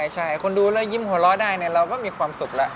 ใช่คนดูแล้วยิ้มหัวเราะได้เราก็มีความสุขแล้ว